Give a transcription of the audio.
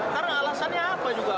karena alasannya apa juga